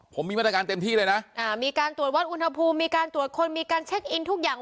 ผมมีมาตรการเต็มที่เลยนะอ่ามีการตรวจวัดอุณหภูมิมีการตรวจคนมีการเช็คอินทุกอย่าง